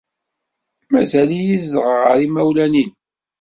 Mazal-iyi zedɣeɣ ɣer yimawlan-inu.